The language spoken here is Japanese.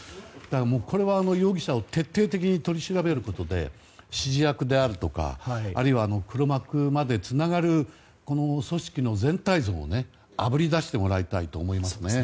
これは容疑者を徹底的に取り調べることで指示役であるとかあるいは、黒幕までつながる組織の全体像をあぶり出してもらいたいと思います。